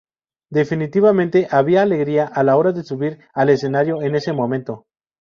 Definitivamente había alegría a la hora de subir al escenario en ese momento.